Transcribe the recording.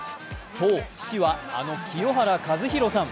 そう、父はあの清原和博さん。